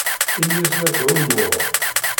Ini-as la ttɛumuɣ.